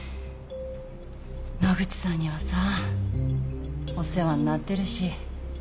野口さんにはさお世話になってるし。